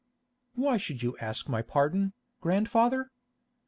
"Why should you ask my pardon, grandfather?